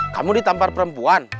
kamu ditampar perempuan